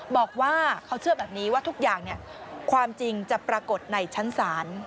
บอกว่าเขาเชื่อแบบนี้ว่าทุกอย่างความจริงจะปรากฏในชั้นศาล